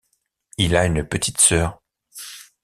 Il a une petite sœur.